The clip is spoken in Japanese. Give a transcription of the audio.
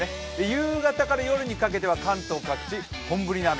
夕方から夜にかけては関東各地、本降りの雨、